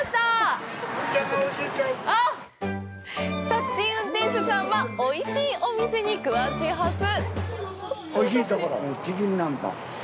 タクシー運転手さんはおいしいお店に詳しいはず！